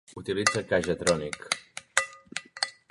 Utilitza K-Jetronic.